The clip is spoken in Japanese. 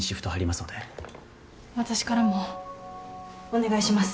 私からもお願いします。